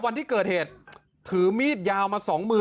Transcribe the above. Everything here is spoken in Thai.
นั่นแหละครับ